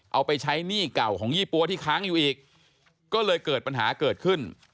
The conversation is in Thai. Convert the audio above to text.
เอาไปใช้หนี้เก่าของยี่ปั๊วที่ค้างอยู่อีกก็เลยเกิดปัญหาเกิดขึ้น